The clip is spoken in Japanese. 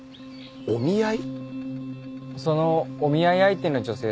そのお見合い相手の女性